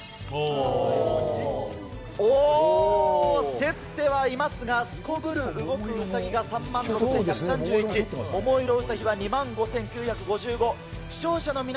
おー、競ってはいますが、すこぶる動くウサギが３万６１３１、桃色ウサヒは２万５９５５。